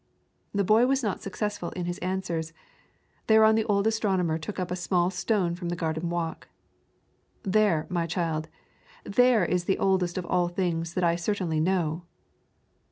The boy was not successful in his answers, thereon the old astronomer took up a small stone from the garden walk: 'There, my child, there is the oldest of all the things that I certainly know.'